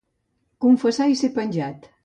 Confessar i ser penjat.